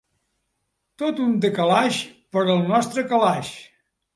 Tot un “décalage” per al nostre calaix.